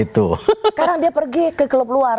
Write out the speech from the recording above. sekarang dia pergi ke klub luar